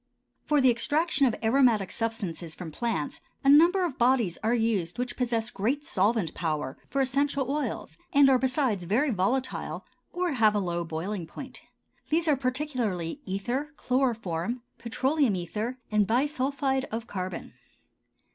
For the extraction of aromatic substances from plants a number of bodies are used which possess great solvent power for essential oils, and are besides very volatile, or have a low boiling point. These are particularly ether, chloroform, petroleum ether, and bisulphide of carbon.